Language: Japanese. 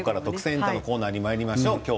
エンタ」のコーナーにいきましょうか。